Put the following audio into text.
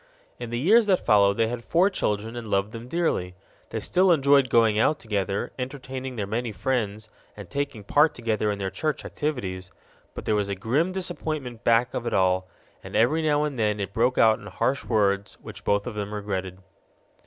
In the years that followed they had four children and loved them dearly. They still enjoyed going out together, entertaining their many friends, and taking part together in their church activities; but there was a grim disappointment back of it all, and every now and then it broke out in harsh words which both of them regretted.